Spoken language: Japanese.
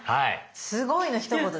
すごいのひと言です。